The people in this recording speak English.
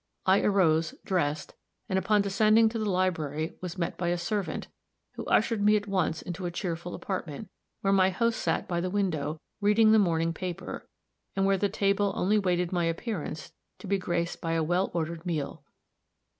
I arose, dressed, and, upon descending to the library, was met by a servant, who ushered me at once into a cheerful apartment, where my host sat by the window, reading the morning paper, and where the table only waited my appearance to be graced by a well ordered meal.